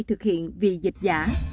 thực hiện vì dịch giả